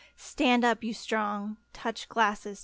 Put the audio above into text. Stand up, you Strong! Touch glasses!